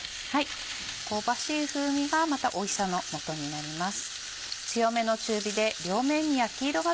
香ばしい風味がまたおいしさのもとになります。